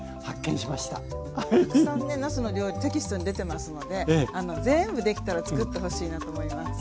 たくさんねなすの料理テキストに出てますのでぜんぶできたら作ってほしいなと思います。